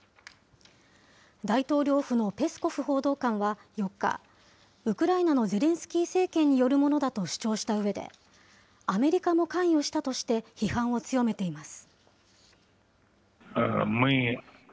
大統領府のペスコフ報道官は、４日、ウクライナのゼレンスキー政権によるものだと主張したうえで、アメリカも関与したとして、批判を強めています。